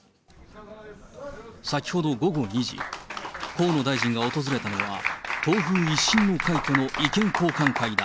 先ほど午後２時、河野大臣が訪れたのは、党風一新の会との意見交換会だ。